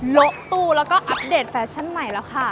ละตู้แล้วก็อัปเดตแฟชั่นใหม่แล้วค่ะ